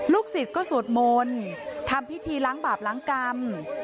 ลูกศิษย์ก็สวดโมนทำพิธีล้างบาปล้างกรรม